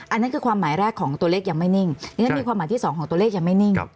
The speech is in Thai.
อันนั้นคือความหมายแรกของตัวเลขยังไม่นิ่งดิฉันมีความหมายที่สองของตัวเลขยังไม่นิ่ง